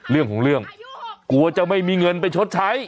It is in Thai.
เรื่องของเรื่องกลัวจะไม่มีเงินไปชดใช้